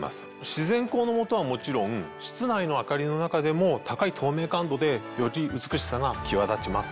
自然光の下はもちろん室内の明かりの中でも高い透明感度でより美しさが際立ちます。